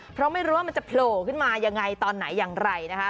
เพราะไม่รู้ว่ามันจะโผล่ขึ้นมายังไงตอนไหนอย่างไรนะคะ